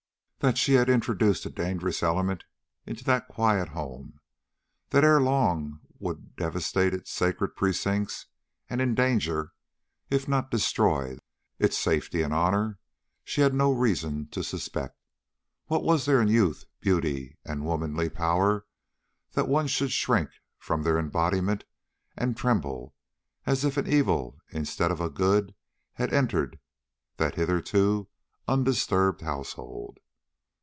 That she had introduced a dangerous element into that quiet home, that ere long would devastate its sacred precincts, and endanger, if not destroy, its safety and honor, she had no reason to suspect. What was there in youth, beauty, and womanly power that one should shrink from their embodiment and tremble as if an evil instead of a good had entered that hitherto undisturbed household?